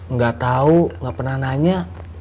nggak tahu nggak pernah nanya